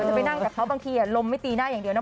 จะไปนั่งกับเขาบางทีลมไม่ตีหน้าอย่างเดียวนะ